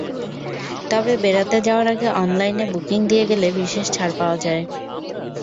তবে বেড়াতে যাওয়ার আগে অনলাইনে বুকিং দিয়ে গেলে বিশেষ ছাড় পাওয়া যায়।